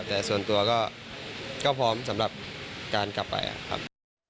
แต่ส่วนตัวก็พร้อมสำหรับการกลับไปครับ